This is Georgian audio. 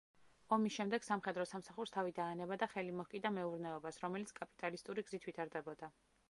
ომის შემდეგ სამხედრო სამსახურს თავი დაანება და ხელი მოჰკიდა მეურნეობას, რომელიც კაპიტალისტური გზით ვითარდებოდა.